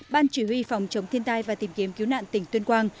ban chỉ huy phòng chống thiên tai và tìm kiếm cứu nạn tỉnh tuyên quang